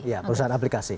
iya perusahaan aplikasi